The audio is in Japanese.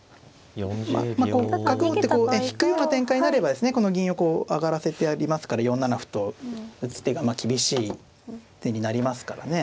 まあこう角を打ってこう引くような展開になればこの銀をこう上がらせてありますから４七歩と打つ手が厳しい手になりますからね。